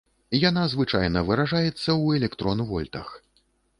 Яна звычайна выражаецца ў электрон-вольтах.